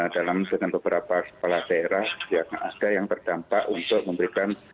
dalam beberapa kepala daerah yang ada yang berdampak untuk memberikan